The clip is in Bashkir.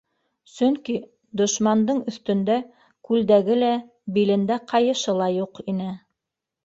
Сөнки «дошмандың» өҫтөндә күлдәге лә, билендә ҡайышы ла юҡ ине.